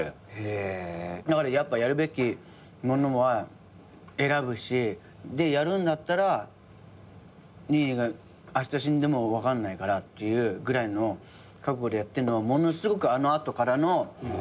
だからやっぱやるべきものは選ぶしでやるんだったらにいにがあした死んでも分かんないからっていうぐらいの覚悟でやってんのはものすごくあの後からの。